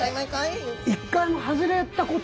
一回も外れたことないでしょ？